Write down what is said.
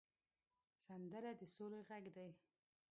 سندره د سولې غږ دی